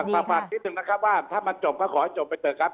ฝากนิดหนึ่งนะครับว่าถ้ามันจบก็ขอให้จบไปเถอะครับ